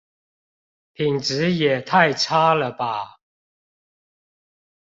品質也太差了吧